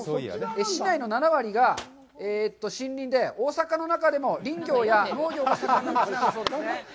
市内の７割が森林で、大阪の中でも林業や農業が盛んな町なんだそうですね。